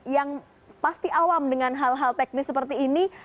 yang pasti awam dengan hal hal teknis seperti ini